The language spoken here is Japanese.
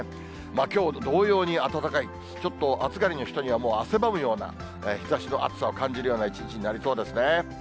きょうと同様に暖かい、ちょっと暑がりの人には、もう汗ばむような、日ざしの暑さを感じるような一日になりそうですね。